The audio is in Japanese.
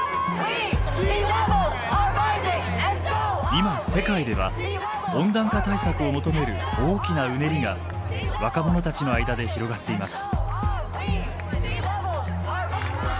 今世界では温暖化対策を求める大きなうねりが若者たちの間で広がっています。